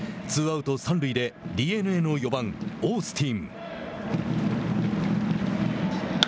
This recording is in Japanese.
３回ツーアウト、三塁でＤｅＮＡの４番オースティン。